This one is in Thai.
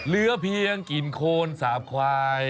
เหลือเพียงกลิ่นโคลนสาปไขว